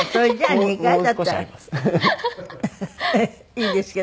いいんですけど。